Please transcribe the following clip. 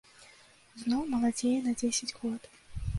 Зноў маладзее на дзесяць год.